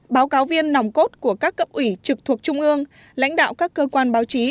báo cáo viên nòng cốt của các cấp ủy trực thuộc trung ương lãnh đạo các cơ quan báo chí